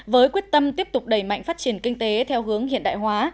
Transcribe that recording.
với quyết tâm tiếp tục đẩy mạnh phát triển kinh tế theo hướng hiện đại hóa